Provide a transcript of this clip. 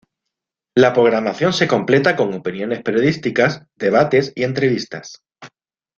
La programación se completa con opiniones periodísticas, debates y entrevistas.